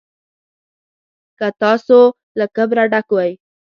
که تاسو له کبره ډک وئ.